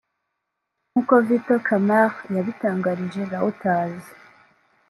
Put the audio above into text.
nk’uko Vital Kamerhe yabitangarije Reuters